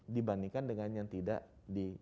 dibandingkan dengan yang tidak di